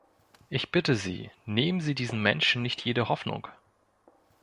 Ich bitte Sie, nehmen Sie diesen Menschen nicht jede Hoffnung!